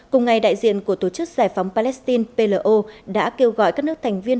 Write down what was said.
cùng ngày đại diện của tổ chức giải phóng palestine plo đã kêu gọi các nước thành viên